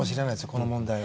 この問題が。